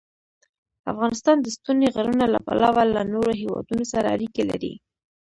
افغانستان د ستوني غرونه له پلوه له نورو هېوادونو سره اړیکې لري.